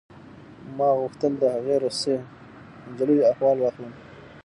ما غوښتل د هغې روسۍ نجلۍ احوال واخلم